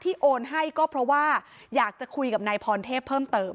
โอนให้ก็เพราะว่าอยากจะคุยกับนายพรเทพเพิ่มเติม